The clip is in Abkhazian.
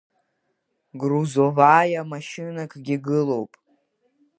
Грузоваиа машьынакгьы гылоуп.